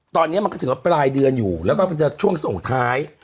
ตอนนี้มันก็ถือว่าปลายเดือนอยู่แล้วก็มันจะช่วงส่งท้าย